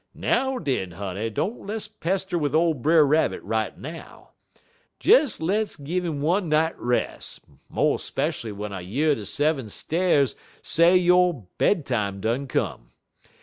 "Now, den, honey, don't less pester wid ole Brer Rabbit right now. Des less gin 'im one night rest, mo' speshually w'en I year de seven stares say yo' bed time done come.